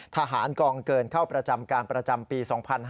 ทหารกองเกินเข้าประจำการประจำปี๒๕๕๙